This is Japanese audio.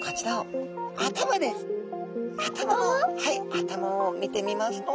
頭を見てみますと。